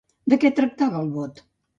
De què es tractava el bot?